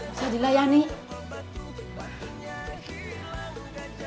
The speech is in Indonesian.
usah jelah ya nih